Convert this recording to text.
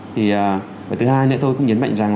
thì thứ hai nữa tôi cũng nhấn mạnh rằng